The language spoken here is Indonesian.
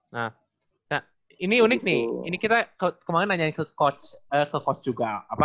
nah ini unik nih ini kita kemarin nanya ke coach juga